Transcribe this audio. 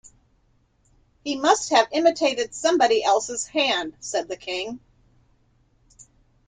‘He must have imitated somebody else’s hand,’ said the King.